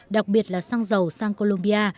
đặc biệt là xăng dầu sang colombia